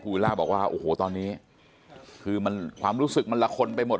วิลล่าบอกว่าโอ้โหตอนนี้คือความรู้สึกมันละคนไปหมด